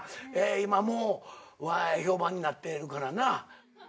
今もう評判になっているからな。